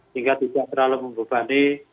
sehingga tidak terlalu membebani